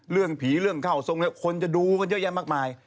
เรื่องผีเรื่องเข้าทรงคนจะดูกันเยอะแยะมากมาย